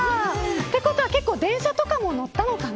ということは、電車とかも乗ったのかな。